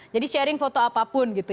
jadi sharing foto apapun gitu